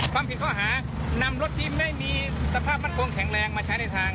ความผิดข้อหานำรถที่ไม่มีสภาพมั่นคงแข็งแรงมาใช้ในทาง